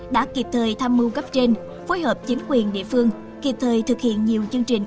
đã kịp thời tham mưu cấp trên phối hợp chính quyền địa phương kịp thời thực hiện nhiều chương trình